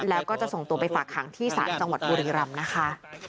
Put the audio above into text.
แล้วก็จะส่งตัวไปฝากหางที่ศาลจังหวัดบุรีรำนะคะ